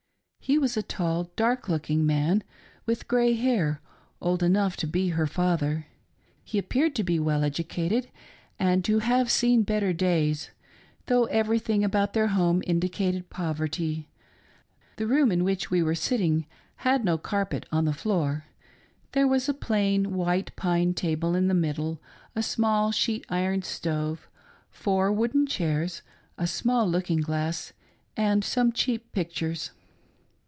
He was a tall, dark looking man, with grey hair, old enough to be her fatheV. He appeared to be well educated and to have seen better days, though everything about their home indicated poverty — the room in which we were sitting had no carpet on the floor, there was a plain white pine table in the middle, a small sheet iron stove, four wooden chairs, a small looking glass, and some cheap pictures.